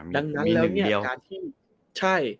ดังนั้นแล้วเนี่ย